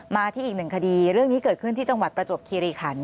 มาที่อีกหนึ่งคดีเรื่องนี้เกิดขึ้นที่จังหวัดประจวบคีรีขัน